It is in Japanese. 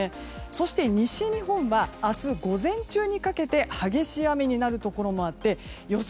そして西日本は明日午前中にかけて激しい雨になるところがあって予想